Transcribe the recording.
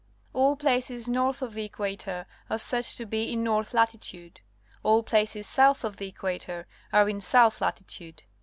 All places north of the equator are said to be in North Latitude; all places south of the equator are in South Latitude.